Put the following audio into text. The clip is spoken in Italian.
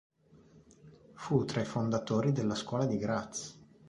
Fu tra i fondatori della scuola di Graz.